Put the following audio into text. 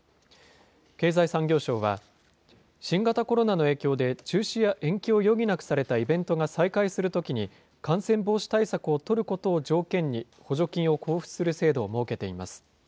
経済産業省は、新型コロナの影響で、中止や延期を余儀なくされたイベントが再開するときに、感染防止対策を取ることを条件に、補助金を交付する制度を設けています。